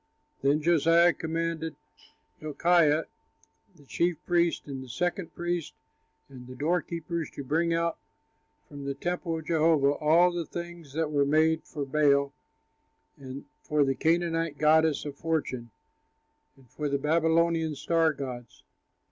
Then Josiah commanded Hilkiah, the chief priest, and the second priest and the doorkeepers to bring out from the temple of Jehovah all the things that were made for Baal and for the Canaanite goddess of fortune, and for the Babylonian star gods.